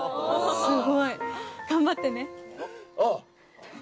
すごい頑張ってね。